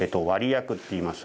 薬っていいます。